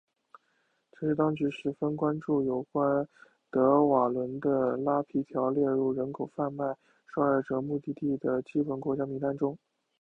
城市当局十分关注有关德瓦伦的拉皮条列入人口贩卖受害者目的地的基本国家名单中。